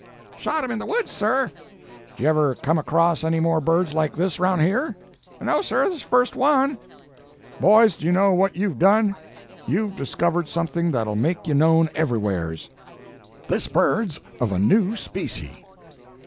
"'Shot him in the woods, sir.' "'Did you ever come across any more birds like this around here?' "'No, sir—this is the first one.' "'Boys, do you know what you've done? You've discovered something that'll make ye known everywheres. This bird's of a new specie.'